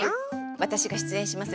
私が出演します